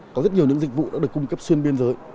có rất nhiều những dịch vụ đã được cung cấp xuyên biên giới